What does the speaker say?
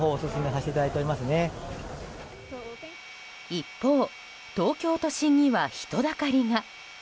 一方、東京都心には人だかりが。